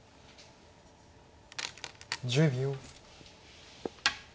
１０秒。